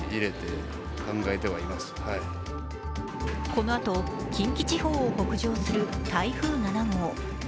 このあと、近畿地方を北上する台風７号。